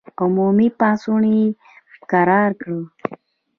عمومي پاڅون یې کرار کړ.